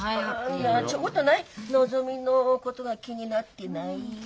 いやちょこっとないのぞみのことが気になってない。